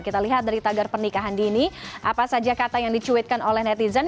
kita lihat dari tagar pernikahan dini apa saja kata yang dicuitkan oleh netizen